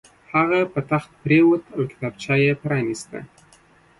هغه په تخت پرېوت او کتابچه یې پرانیسته